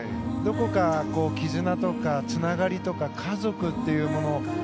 どこか絆とか、つながりとか家族というもの